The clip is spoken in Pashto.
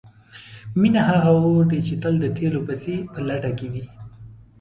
مینه هغه اور دی چې تل د تیلو پسې په لټه کې وي.